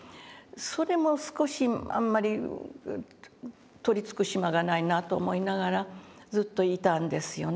それも少しあんまり取りつく島がないなと思いながらずっといたんですよね。